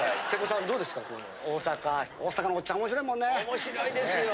面白いですよ。